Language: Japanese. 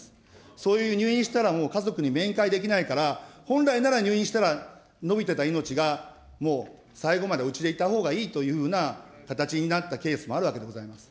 そういう入院したら家族に面会できないから、本来なら、入院したら延びてた命が、もう、最後までおうちでいたほうがいいというような形になったケースもあるわけでございます。